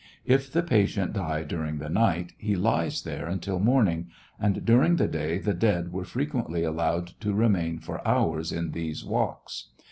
If the patient die during the night, he lies there nntil morning ; and during the day the dead were frequently allowed to remain for hours in these walks.